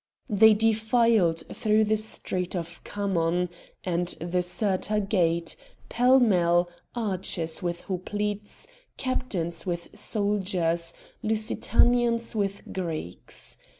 They defiled through the street of Khamon, and the Cirta gate, pell mell, archers with hoplites, captains with soldiers, Lusitanians with Greeks.